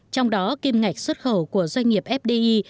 trong đó kim ngạch xuất khẩu của doanh nghiệp fdi